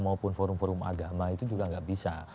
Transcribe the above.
maupun forum forum agama itu juga nggak bisa